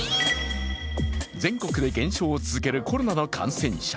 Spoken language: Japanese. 全国で減少を続けるコロナの感染者。